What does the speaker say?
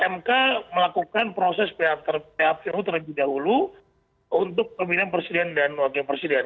mk melakukan proses phpu terlebih dahulu untuk pemilihan presiden dan wakil presiden